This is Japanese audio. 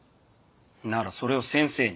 ならそれを先生に。